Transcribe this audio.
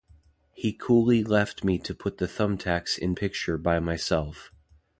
He coolly left me to put the thumb-tacks in my picture by myself.